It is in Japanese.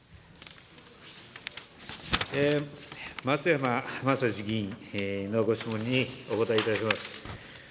松山政司議員のご質問にお答えいたします。